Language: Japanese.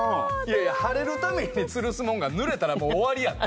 晴れるためにつるすもんがぬれたらもう終わりやて。